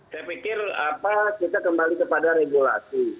saya pikir kita kembali kepada regulasi